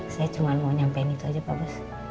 saya cuma mau nyampein itu aja pak bos